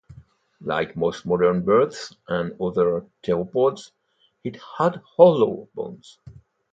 Like most modern birds and other theropods, it had hollow bones.